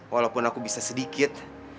walaupun aku bisa sedikit